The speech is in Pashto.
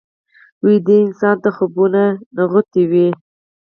ویده انسان ته خوبونه نغوتې وي